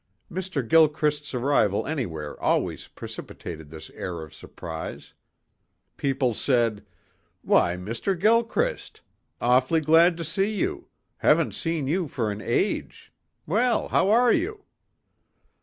Mr. Gilchrist's arrival anywhere always precipitated this air of surprise. People said, "Why, Mr. Gilchrist! Awfully glad to see you! Haven't seen you for an age. Well! How are you?"